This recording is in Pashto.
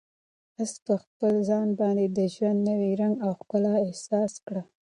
آس په خپل ځان باندې د ژوند نوی رنګ او ښکلا احساس کړه.